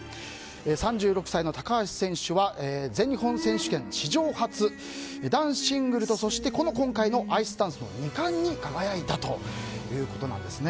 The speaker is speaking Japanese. ３６歳の高橋選手は全日本選手権史上初男子シングルとそして今回のアイスダンスの２冠に輝いたということですね。